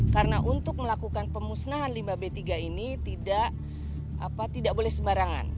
karena untuk melakukan pemusnahan limbah b tiga ini tidak boleh sembarangan